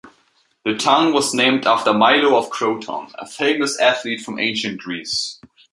The town was named after Milo of Croton, a famous athlete from Ancient Greece.